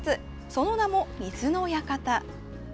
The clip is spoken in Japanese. その名も水の館。